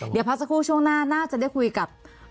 เดี๋ยวพักสักครู่ช่วงหน้าน่าจะได้คุยกับ